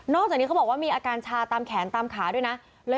จากนี้เขาบอกว่ามีอาการชาตามแขนตามขาด้วยนะ